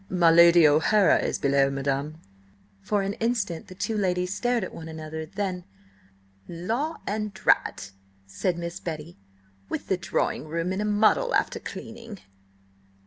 "My Lady O'Hara is below, madam." For an instant the two ladies stared at one another. Then: "La and drat!" said Miss Betty. "With the drawing room in a muddle after cleaning!"